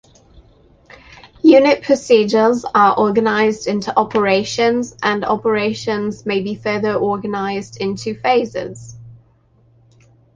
Unit-procedures are organized into operations, and operations may be further organized into phases.